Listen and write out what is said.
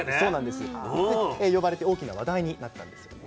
で呼ばれて大きな話題になったんですよね。